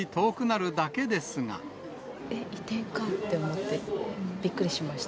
え、移転かって思って、びっくりしました。